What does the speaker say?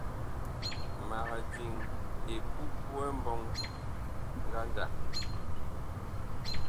Mag diŋ mbɔŋ epupuɛ ngandag.